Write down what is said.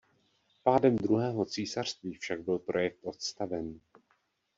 Pádem Druhého císařství však byl projekt odstaven.